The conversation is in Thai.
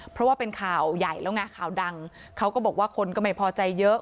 เพราะว่าเป็นข่าวใหญ่แล้วไงข่าวดังเขาก็บอกว่าคนก็ไม่พอใจเยอะ